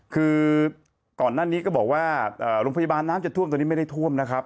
คือก่อนหน้านี้ก็บอกว่าโรงพยาบาลน้ำจะท่วมตอนนี้ไม่ได้ท่วมนะครับ